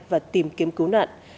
và tìm kiếm cứu nạn